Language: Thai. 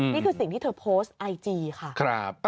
นี่คือสิ่งที่เธอโพสต์ไอจีค่ะ